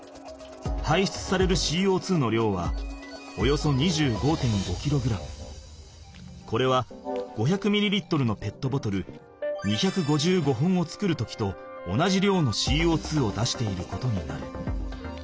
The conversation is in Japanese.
はいしゅつされるＣＯの量はおよそこれは５００ミリリットルのペットボトル２５５本を作る時と同じ量のＣＯを出していることになる。